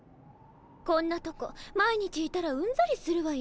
こんなとこ毎日いたらうんざりするわよ。